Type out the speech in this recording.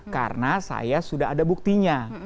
karena saya sudah ada buktinya